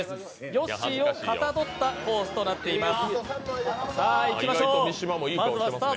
ヨッシーをかたどったコースとなっています。